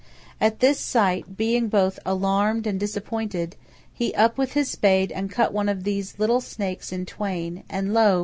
At this sight, being both alarmed and disappointed, he up with his spade and cut one of these little snakes in twain; and lo!